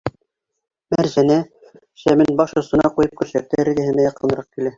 Мәржәнә, шәмен баш осона ҡуйып, көршәктәр эргәһенә яҡыныраҡ килә.